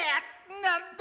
なんだ